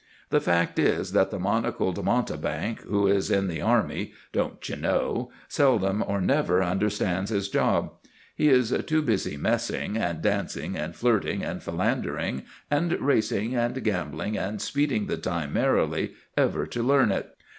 The fact is, that the monocled mountebank who is in the army, don't you know, seldom or never understands his job. He is too busy messing, and dancing, and flirting, and philandering, and racing, and gambling, and speeding the time merrily, ever to learn it.